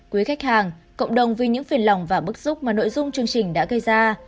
quý khách hàng cộng đồng vì những phiền lòng và bức xúc mà nội dung chương trình đã gây ra